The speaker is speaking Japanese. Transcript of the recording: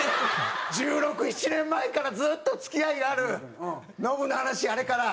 １６１７年前からずっと付き合いがあるノブの話あれから。